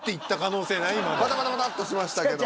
バタバタバタッとしましたけども。